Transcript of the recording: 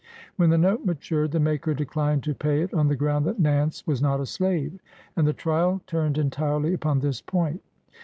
When the note matured the maker declined to pay it on the ground that Nance was not a slave, and the trial turned entirely upon this point.